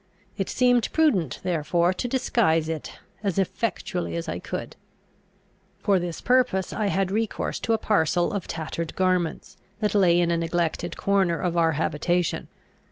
It seemed prudent therefore to disguise it as effectually as I could. For this purpose I had recourse to a parcel of tattered garments, that lay in a neglected corner of our habitation.